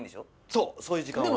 そうそういう時間は。